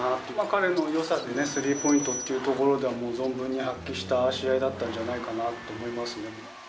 彼のよさってね、スリーポイントっていうところでは、存分に発揮した試合だったんじゃないかなって思いますね。